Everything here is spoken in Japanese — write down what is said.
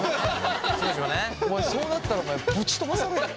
お前そうなったらぶち飛ばされるよ。